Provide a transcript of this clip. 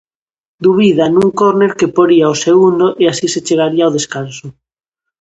Dubida nun córner que poría o segundo e así se chegaría o descanso.